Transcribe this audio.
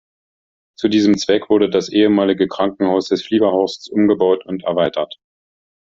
Zu diesem Zweck wurde das ehemalige Krankenhaus des Fliegerhorsts umgebaut und erweitert.